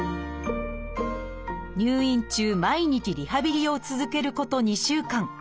入院中毎日リハビリを続けること２週間。